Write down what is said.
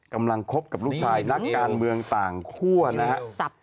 กำลังคบกับลูกชายนักการเมืองต่างคั่วนะฮะ